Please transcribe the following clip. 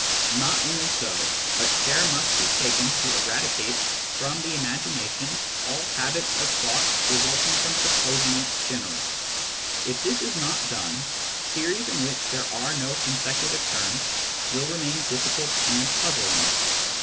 Not only so, but care must be taken to eradicate from the imagination all habits of thought resulting from supposing it general. If this is not done, series in which there are no consecutive terms will remain difficult and puzzling.